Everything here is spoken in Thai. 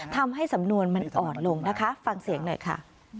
ทำให้สำนวนมันอ่อนลงนะคะฟังเสียงหน่อยค่ะ